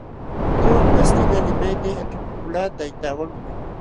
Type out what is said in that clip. Ñuqa kastilla limayta yaćhapakulqaa taytaawanmi.